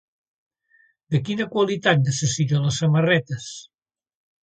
De quina qualitat necessita les samarretes?